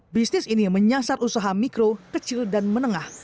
bisnis ini menyasar usaha mikro kecil dan menengah